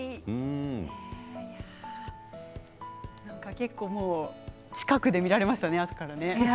結構、近くで見られましたね、朝から。